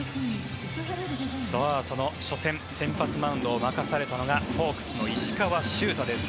その初戦先発マウンドを任されたのがホークスの石川柊太です。